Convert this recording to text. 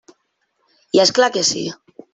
I és clar que sí!